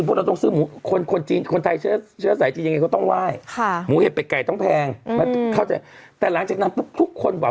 เพราะจดจีนพวกเราต้องซื้อหมู